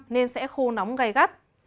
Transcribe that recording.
nên sẽ khu nóng gai gắt